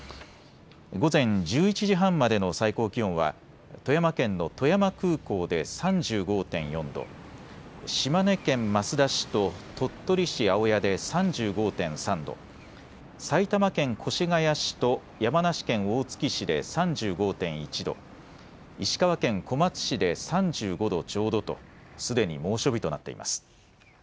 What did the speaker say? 午前１１時半までの最高気温は富山県の富山空港で３５．４度、島根県益田市と鳥取市青谷で３５．３度、埼玉県越谷市と山梨県大月市で３５．１度、石川県小松市で３５度ちょうどとすでに猛暑日となっています。